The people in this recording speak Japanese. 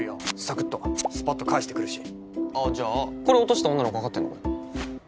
サクッとスパッと返してくるしじゃあこれ落とした女の子わかってんのかよ